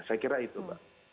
saya kira itu pak